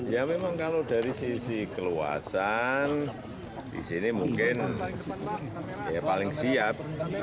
ya memang kalau dari sisi keluasan di sini mungkin paling siap